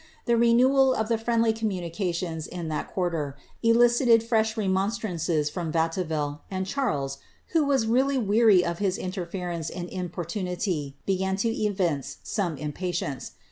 The renewal of friendly communications in that quarter elicited fresh remonstrances from Vatteville, and Charles, who was really weary of his interference and importunity, began to evince some impatience.